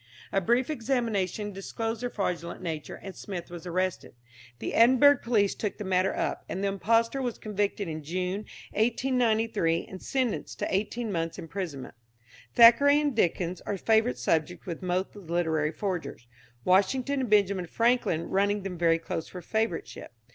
A brief examination disclosed their fraudulent nature, and Smith was arrested. The Edinburgh police took the matter up, and the impostor was convicted in June, 1893, and sentenced to eighteen months' imprisonment. Thackeray and Dickens are favourite subjects with most literary forgers, Washington and Benjamin Franklin running them very close for favouriteship.